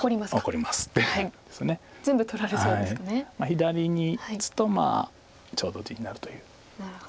左に打つとちょうど地になるという。